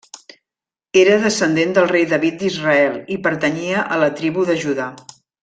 Era descendent del Rei David d'Israel i pertanyia a la tribu de Judà.